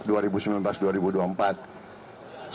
saya katakan saya ini bagaimanapun ada